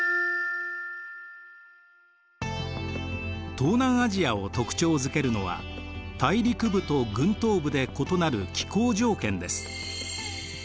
東南アジアを特徴づけるのは大陸部と群島部で異なる気候条件です。